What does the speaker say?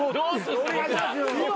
お願いしますよ。